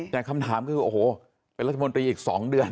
แต่คำถามก็คือโอ้โหเป็นรัฐมนตรีอีก๒เดือน